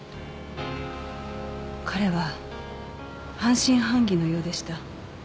彼は半信半疑のようでした。